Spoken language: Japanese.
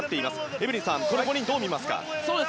エブリンさん、この５人はどう見ますか？